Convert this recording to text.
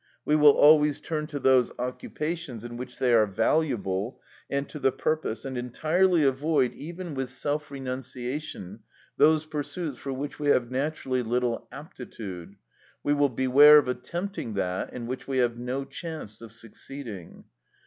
We will always turn to those occupations in which they are valuable and to the purpose, and entirely avoid, even with self renunciation, those pursuits for which we have naturally little aptitude; we will beware of attempting that in which we have no chance of succeeding.